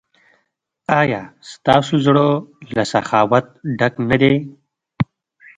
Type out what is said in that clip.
ایا ستاسو زړه له سخاوت ډک نه دی؟